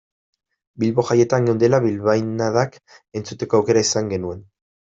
Bilbo jaietan geundela bilbainadak entzuteko aukera izan genuen.